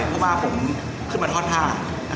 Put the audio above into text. เพราะว่าผมขึ้นมาทอดผ้า